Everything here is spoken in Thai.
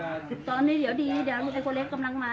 สิบตอนนี้เดี๋ยวดีเดี๋ยวไอ้คนเล็กกำลังมา